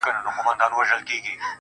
له پاڼو تشه ده ویجاړه ونه-